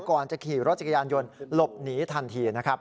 ก่อนจะขี่รถจักรยานยนต์หลบหนีทันทีนะครับ